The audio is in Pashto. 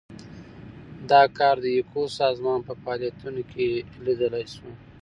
دا کار د ایکو سازمان په فعالیتونو کې لیدلای شو.